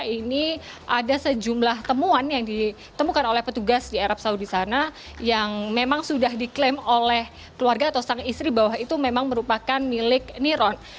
ini ada sejumlah temuan yang ditemukan oleh petugas di arab saudi sana yang memang sudah diklaim oleh keluarga atau sang istri bahwa itu memang merupakan milik niron